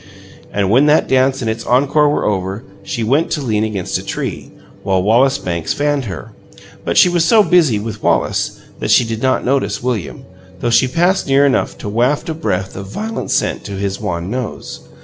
And when that dance and its encore were over she went to lean against a tree, while Wallace Banks fanned her, but she was so busy with Wallace that she did not notice William, though she passed near enough to waft a breath of violet scent to his wan nose.